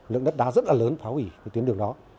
lượng đất đá rất là lớn phá hủy tiến đường đó